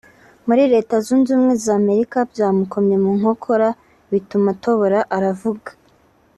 muri Leta Zunze Ubumwe za Amerika byamukomye mu nkokora bituma atobora aravuga